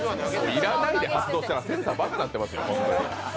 「いらない」で発動したらセンサーばかになってますよ。